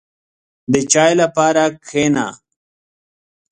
• د چای لپاره کښېنه.